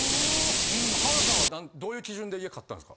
浜田さんはどういう基準で家買ったんですか？